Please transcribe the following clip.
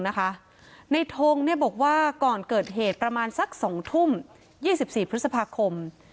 ในทงบอกว่าก่อนเกิดเหตุประมาณสัก๒ทุ่ม๒๔พฤษภาคม